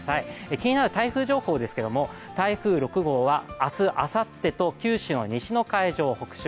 気になる台風情報ですけど台風６号は明日あさってと九州の西の海上を北上。